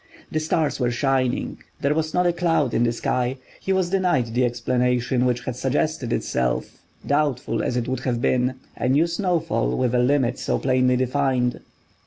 The stars were shining; there was not a cloud in the sky; he was denied the explanation which had suggested itself, doubtful as it would have been—a new snowfall with a limit so plainly defined.